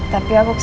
toh lu lo tanamanku